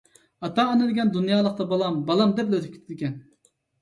ئاتا-ئانا دېگەن دۇنيالىقتا بالام، بالام دەپلا ئۆتۈپ كېتىدىكەن.